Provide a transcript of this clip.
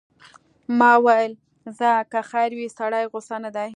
ما ویل ځه که خیر وي، سړی غوسه نه دی.